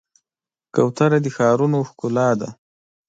کوتره د ښارونو ښکلا ده.